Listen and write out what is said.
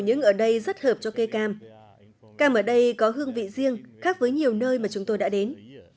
nhứng ở đây rất hợp cho cây cam cam ở đây có hương vị riêng khác với nhiều nơi mà chúng tôi đã đến